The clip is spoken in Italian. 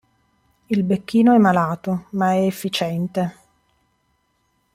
Il Becchino è malato, ma è efficiente.